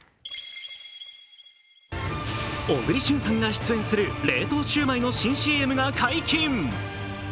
小栗旬さんが出演する冷凍シュウマイの新ＣＭが解禁。